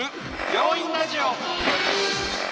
「病院ラジオ」。